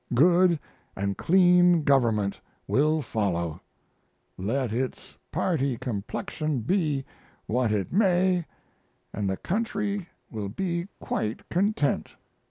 Good and clean government will follow, let its party complexion be what it may, and the country will be quite content.